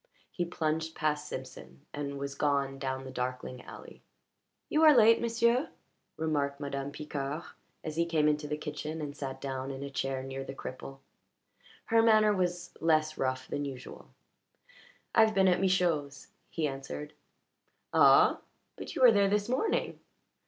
He plunged past Simpson and was gone down the darkling alley. "You are late, m'sieu'," remarked Madame Picard as he came into the kitchen and sat down in a chair near the cripple. Her manner was less rough than usual. "I've been at Michaud's," he answered. "Ah? But you were there this morning."